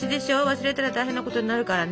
忘れたら大変なことになるからね。